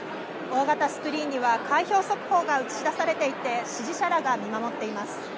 大型スクリーンには開票速報が映し出されていて支持者らが見守っています。